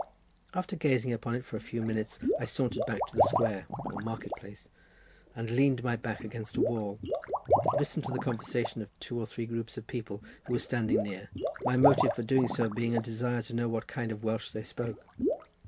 After gazing upon it for a few minutes, I sauntered back to the square, or market place, and leaning my back against a wall, listened to the conversation of two or three groups of people who were standing near, my motive for doing so being a desire to know what kind of Welsh they spoke.